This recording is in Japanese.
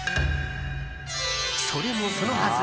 それもそのはず。